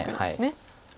はい。